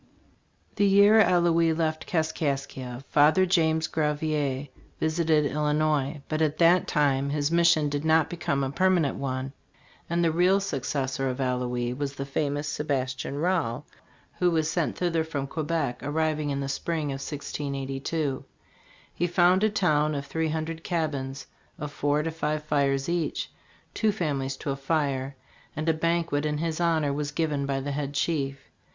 The year Allouez left Kaskaskia, Father James Gravier visited Illinois, but at that time his mission did not become a permanent one ; and the real successor of Allouez was the famous Sebastian Rale, who was sent thither from Quebec, arriving in the spring of 1682. He found a town of three hundred cabins, of four to five fires each, two families to a fire; and a banquet in his hon or was given by the head chief.